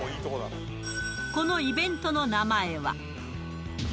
このイベントの名前は。